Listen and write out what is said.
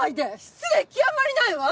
失礼極まりないわ！